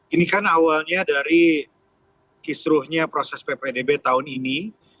ini kan awalnya dari kisruhnya proses ppdb tahun ini